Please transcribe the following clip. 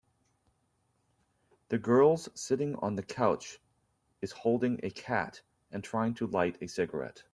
The girls sitting on the couch is holding a cat and trying to light a cigarette.